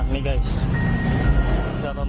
nah ini guys